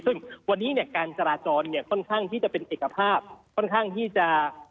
ซึ่งวันนี้เนี่ยการจราจรเนี่ยค่อนข้างที่จะเป็นเอกภาพค่อนข้างที่จะ